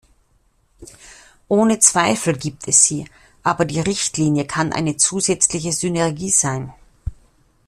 Ohne Zweifel gibt es sie, aber die Richtlinie kann eine zusätzliche Synergie sein.